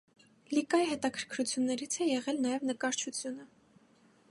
Լիկայի հետաքրքրություններից է եղել նաև նկարչությունը։